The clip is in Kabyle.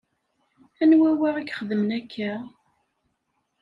Anwa wa i ixedmen akka?